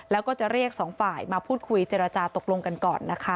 แล้วก็จะเรียกสองฝ่ายมาพูดคุยเจรจาตกลงกันก่อนนะคะ